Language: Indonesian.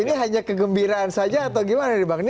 ini hanya kegembiraan saja atau gimana